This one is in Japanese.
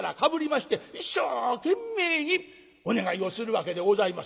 まして一生懸命にお願いをするわけでございます。